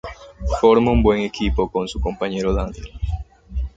Forma un buen equipo con su compañero Daniel.